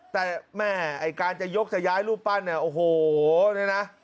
แต่แม่ไอ้การจะยกจะย้ายรูปปั้นเนี่ยโอ้โหเนี่ยนะ